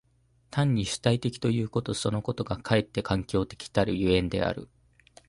単に主体的ということそのことがかえって環境的たる所以である。